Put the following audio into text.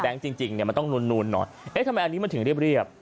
แบงค์จริงมันต้องนูนหน่อยทำไมอันนี้มันถึงเรียบ